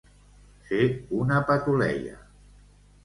Ser una patuleia.